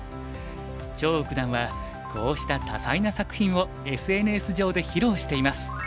張栩九段はこうした多彩な作品をＳＮＳ上で披露しています。